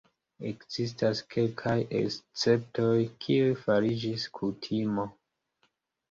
Ekzistas kelkaj esceptoj, kiuj fariĝis kutimo.